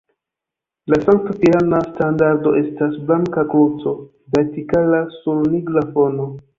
La sankt-pirana standardo estas blanka kruco vertikala sur nigra fono.